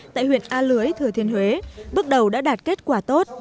tại huyện a lưới thừa thiên huế bước đầu đã đạt kết quả tốt